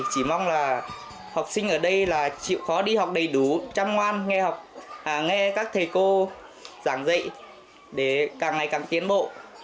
chỉ mong là học sinh ở đây là chịu khó đi học đầy đủ chăm ngoan nghe học nghe các thầy cô giảng dạy để càng ngày càng tiến bộ